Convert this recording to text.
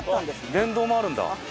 電動もあるんだ。